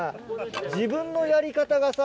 自分のやり方がさ